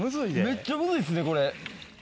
めっちゃムズいですねこれ。